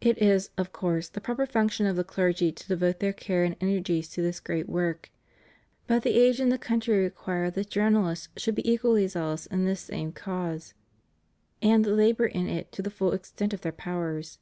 It is, of course, the proper function of the clergy to devote their care and energies to this great work; but the age and the country require that journalists should be equally zealous in this same cause and labor in it to the full extent of their powers.